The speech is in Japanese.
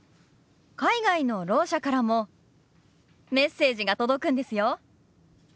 海外のろう者からもメッセージが届くんですよ。